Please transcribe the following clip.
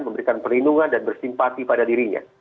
memberikan perlindungan dan bersimpati pada dirinya